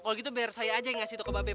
kalau gitu biar saya aja yang ngasih toko babe